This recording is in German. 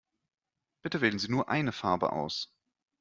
Bitte wählen Sie nur eine Farbe aus.